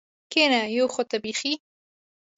کېنه یو خو ته بېخي.